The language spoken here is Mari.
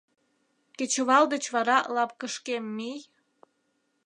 Кечывал деч вара лапкышкем мий.